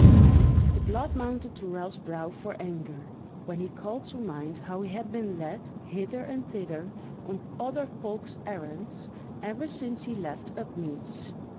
The blood mounted to Ralph's brow for anger; when he called to mind how he had been led hither and thither on other folk's errands ever since he left Upmeads.